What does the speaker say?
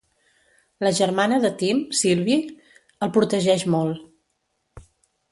La germana de Tim, Sylvie, el protegeix molt.